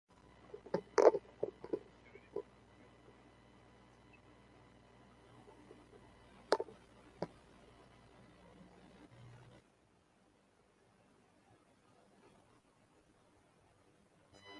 شیعرێکی بۆ خوێندمەوە لەسەر شۆڕشی نووسیبوو